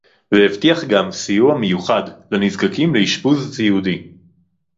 והבטיח גם סיוע מיוחד לנזקקים לאשפוז סיעודי